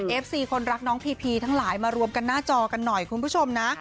ซีคนรักน้องพีพีทั้งหลายมารวมกันหน้าจอกันหน่อยคุณผู้ชมนะ